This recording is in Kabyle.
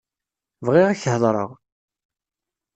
Bɣiɣ ad ak-heḍṛeɣ.